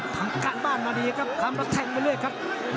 ทำการบ้านมาดีครับทำแล้วแทงไปเรื่อยครับ